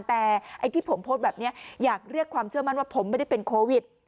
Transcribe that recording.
แต่ไอ้ที่ผมโพสต์แบบนี้อยากเรียกความเชื่อมั่นว่าผมไม่ได้เป็นโควิด